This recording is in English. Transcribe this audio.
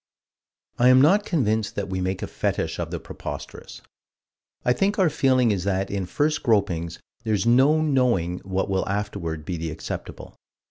I am not convinced that we make a fetish of the preposterous. I think our feeling is that in first gropings there's no knowing what will afterward be the acceptable.